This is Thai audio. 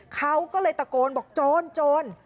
เขาก็เลยตะโกนบอกโจรโจร